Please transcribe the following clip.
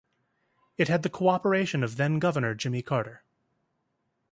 It had the cooperation of then-Governor Jimmy Carter.